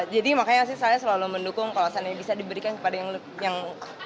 jadi makanya saya selalu mendukung kalau sana bisa diberikan kepada yang